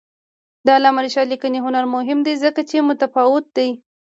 د علامه رشاد لیکنی هنر مهم دی ځکه چې متفاوته دی.